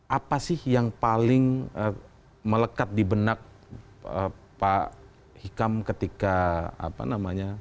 apa sih yang paling melekat di benak pak hikam ketika apa namanya